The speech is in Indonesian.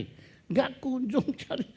tidak kunjung cari